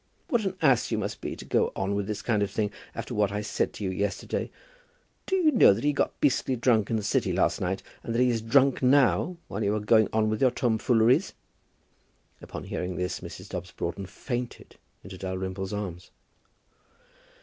What an ass you must be to go on with this kind of thing, after what I said to you yesterday! Do you know that he got beastly drunk in the City last night, and that he is drunk now, while you are going on with your tomfooleries?" Upon hearing this, Mrs. Dobbs Broughton fainted into Dalrymple's arms.